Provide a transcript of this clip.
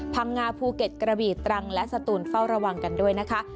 พังงาภูเก็ตกระบีตรังและสตูนเฝ้าระวังกันด้วยนะคะ